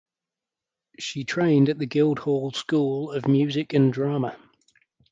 She trained at the Guildhall School of Music and Drama.